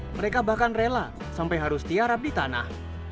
mereka bahkan rela sampai harus tiarap di tanah